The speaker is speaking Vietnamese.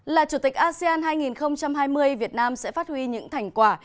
là chủ tịch asean hai nghìn hai mươi việt nam sẽ phát huy những thành quả